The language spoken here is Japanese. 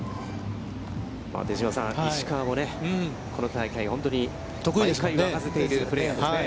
手嶋さん、石川もこの大会、本当に大会を沸かせているプレーヤーですね。